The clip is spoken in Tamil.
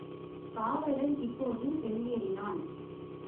காவலன் இப்போது வெளியேறினான்.